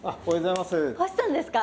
星さんですか？